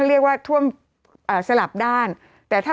กรมป้องกันแล้วก็บรรเทาสาธารณภัยนะคะ